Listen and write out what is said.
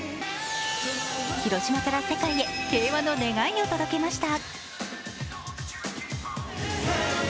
広島から世界へ、平和の願いを届けました。